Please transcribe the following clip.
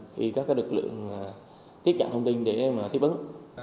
khi các lực lượng tiếp nhận thông tin để tiếp ứng